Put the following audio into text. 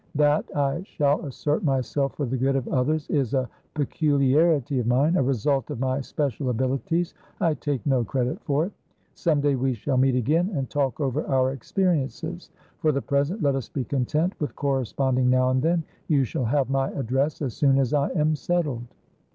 That I shall assert myself for the good of others is a peculiarity of mine, a result of my special abilities; I take no credit for it. Some day we shall meet again, and talk over our experiences; for the present, let us be content with corresponding now and then. You shall have my address as soon as I am settled."